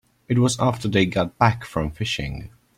It was after they got back from fishing.